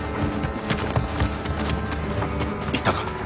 行ったか？